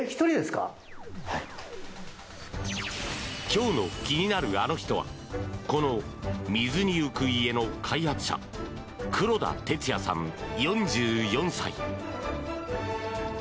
今日の気になるアノ人はこの、水に浮く家の開発者黒田哲也さん、４４歳。